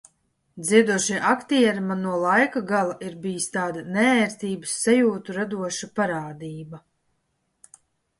Dziedošie aktieri man no laika gala ir bijis tāda neērtības sajūtu radoša parādība.